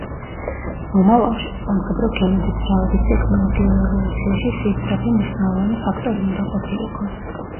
მომავალში, სამხედრო გემების ძრავების ტექნოლოგიურ ევოლუციაში სისწრაფე მნიშვნელოვანი ფაქტორი უნდა ყოფილიყო.